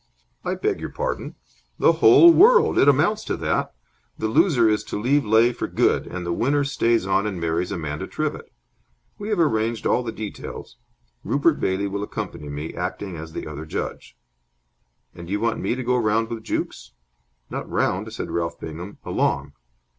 "I beg your pardon?" "The whole world. It amounts to that. The loser is to leave Leigh for good, and the winner stays on and marries Amanda Trivett. We have arranged all the details. Rupert Bailey will accompany me, acting as the other judge." "And you want me to go round with Jukes?" "Not round," said Ralph Bingham. "Along."